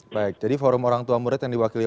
baik jadi forum orang tua murid yang diwakil oleh